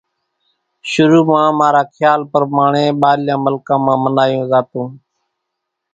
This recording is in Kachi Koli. شرو مان مارا کيال پرماڻي ٻارليان ملڪان مان منايون زاتون